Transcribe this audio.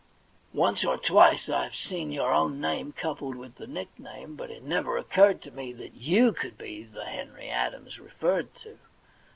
Once or twice I've seen your own name coupled with the nickname, but it never occurred to me that yovi could be the Henry Adams referred to.